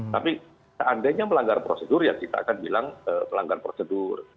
tapi seandainya melanggar prosedur ya kita akan bilang melanggar prosedur